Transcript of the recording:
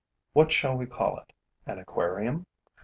What shall we call it? An aquarium?